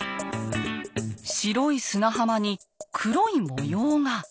白い砂浜に黒い模様が。